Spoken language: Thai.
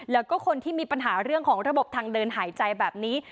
แล้วก็คนที่มีปัญหาเรื่องของระบบทางเดินหายใจแบบนี้